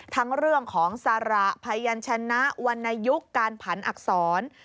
ทั้งเรื่องของสาระพยันชนะวรรณยุคการผันอักษร